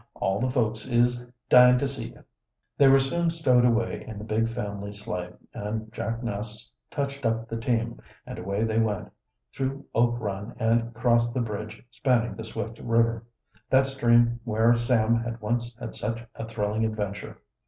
All the folks is dying to see you." They were soon stowed away in the big family sleigh, and Jack Ness touched up the team, and away they went, through Oak Run and across the bridge spanning the Swift River that stream where Sam had once had such a thrilling adventure.